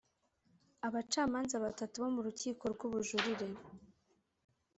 Abacamanza batatu bo mu Rukiko rw’Ubujurire